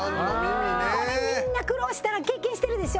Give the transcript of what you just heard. これみんな苦労したら経験してるでしょ？